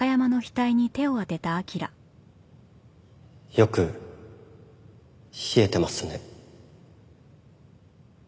よく冷えてますね。